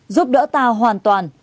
giúp đỡ ta hoàn toàn